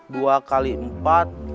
dua kali empat